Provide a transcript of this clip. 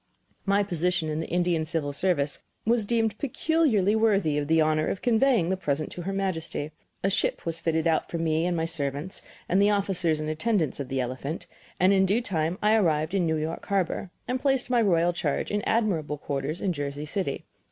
My position in the Indian civil service was such that I was deemed peculiarly worthy of the honor of conveying the present to her Majesty. A ship was fitted out for me and my servants and the officers and attendants of the elephant, and in due time I arrived in New York harbor and placed my royal charge in admirable quarters in Jersey City.